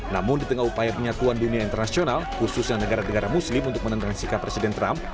namun di tengah upaya penyatuan dunia internasional khususnya negara negara muslim untuk menentang sikap presiden trump